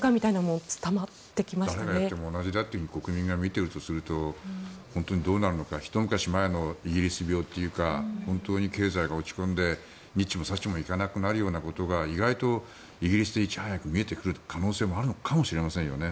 誰がやっても同じだと国民が見ているとすると本当にどうなるのかひと昔前のイギリス病というか本当に経済も落ち込んでにっちもさっちもいかなくなるようなことが意外とイギリスでいち早く見えてくる可能性もあるのかもしれませんよね。